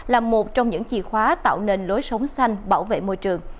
là một trong những chìa khóa tạo nên lối sống xanh bảo vệ môi trường